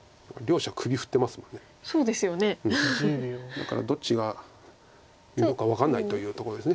だからどっちがいいのか分かんないというとこです。